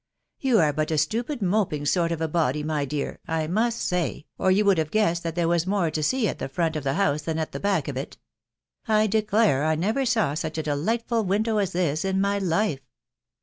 You are but a stupid; moping sort of a body, my dear, I must say, or you would have guessed that there was mere to see at the front of the house than at the baek of it. I declare I never saw such a delightful window as this in my life.